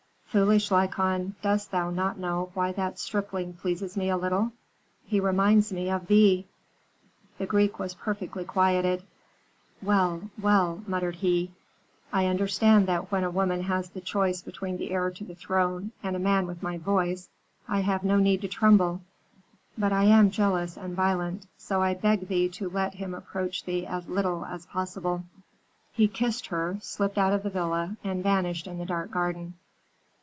"Foolish Lykon, dost thou not know why that stripling pleases me a little? He reminds me of thee " The Greek was perfectly quieted. "Well, well," muttered he, "I understand that when a woman has the choice between the heir to the throne and a man with my voice I have no need to tremble. But I am jealous and violent, so I beg thee to let him approach thee as little as possible." He kissed her, slipped out of the villa, and vanished in the dark garden.